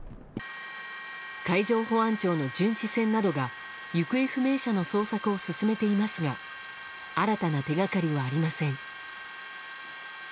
海上保安庁の巡視船などが行方不明者の捜索を進めていますが新たな手掛かりはありません。